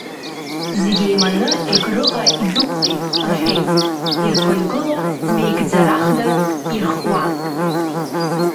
Зегьы еиманы Егрыҟа идәықәлеит, рҳәеит, ирԥынгыло меигӡарахда ирхуа.